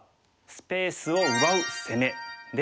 スペースを奪う。